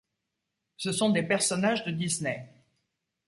Ce sont des personnages de Disney.